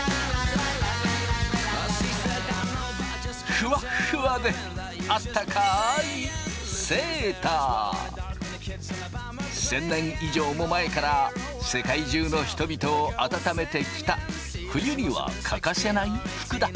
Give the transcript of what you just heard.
フワッフワであったかい１，０００年以上も前から世界中の人々を温めてきた冬には欠かせない服だ。